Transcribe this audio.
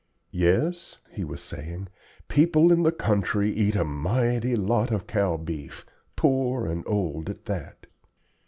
"Yes," he was saying, "people in the country eat a mighty lot of cow beef, poor and old at that.